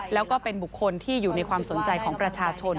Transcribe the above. แล้วก็เป็นบุคคลที่อยู่ในความสนใจของประชาชน